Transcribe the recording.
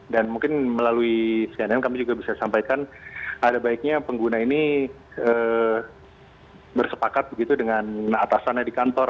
dan mungkin melalui cnn kami juga bisa sampaikan ada baiknya pengguna ini bersepakat begitu dengan atasannya di kantor